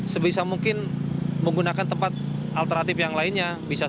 sebisa mungkin menggunakan tempat alternatif yang lainnya